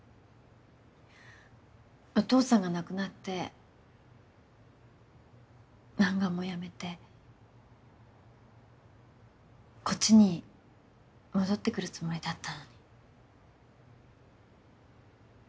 お父さんが亡くなって漫画もやめてこっちに戻ってくるつもりだった。